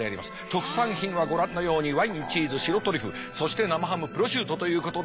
特産品はご覧のようにワインチーズ白トリュフそして生ハムプロシュートということになります。